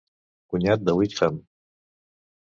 Cunyat de Wickham!